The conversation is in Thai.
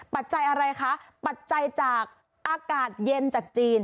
ปัจจัยอะไรคะปัจจัยจากอากาศเย็นจากจีน